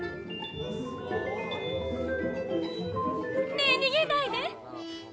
ねえ逃げないで。